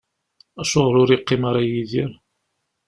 Acuɣer ur yeqqim ara Yidir?